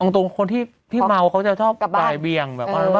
ตรงคนที่เมาเขาจะชอบกลายเบียง